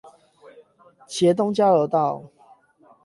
茄苳交流道